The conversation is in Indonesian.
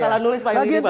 salah nulis yang ini pak